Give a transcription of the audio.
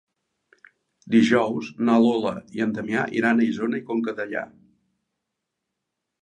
Dijous na Lola i en Damià iran a Isona i Conca Dellà.